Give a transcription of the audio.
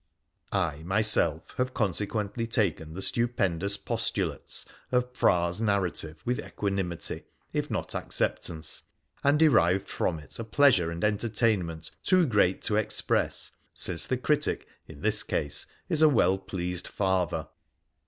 I, myself, have consequently taken the stupendous postulates of Phra's narrative with equanimity, if not acceptance, and derived from it a pleasure and entertainment too great to express, since the critic, in this case, is a well pleased father.